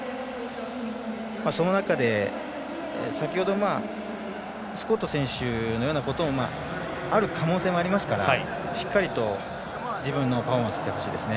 その中で、先ほどのスコット選手のようなことがある可能性もありますからしっかりと自分のパフォーマンスしてほしいですね。